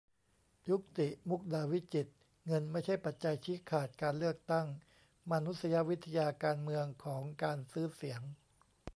ยุกติ มุกดาวิจิตร : เงินไม่ใช่ปัจจัยชี้ขาดการเลือกตั้ง : มานุษยวิทยาการเมืองของ 'การซื้อเสียง'